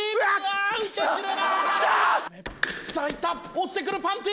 落ちてくるパンティ！